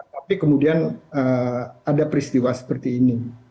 tapi kemudian ada peristiwa seperti ini